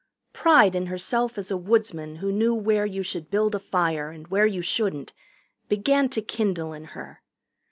Pride in herself as a woodsman who knew where you should build a fire and where you shouldn't began to kindle in her.